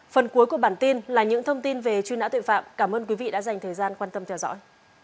phần cuối của bản tin là những thông tin về truy nã tội phạm cảm ơn quý vị đã dành thời gian quan tâm theo dõi